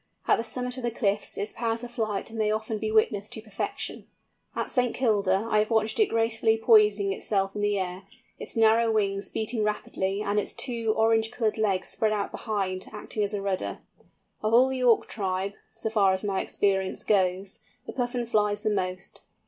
At the summit of the cliffs its powers of flight may often be witnessed to perfection. At St. Kilda, I have watched it gracefully poising itself in the air, its narrow wings beating rapidly, and its two orange coloured legs spread out behind acting as a rudder. Of all the Auk tribe, so far as my experience goes, the Puffin flies the most.